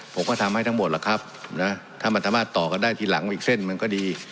ผมก็ทำให้ทั้งหมดล่ะครับนะถ้ามันสามารถต่อกันได้ทีหลังอีกเส้นมันก็ดี